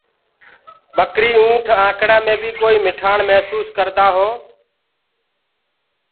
ٻڪري اُنٺ آنڪڙآ مي بي ڪوئي مٺآڻ مهسوس ڪردآ هو